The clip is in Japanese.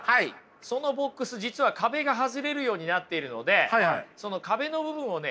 そのボックス実は壁が外れるようになっているのでその壁の部分をね